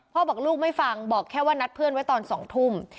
บอกลูกไม่ฟังบอกแค่ว่านัดเพื่อนไว้ตอน๒ทุ่ม